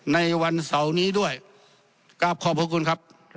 ในวันเสาร์นี้ด้วยกราบขอบพระคุณครับ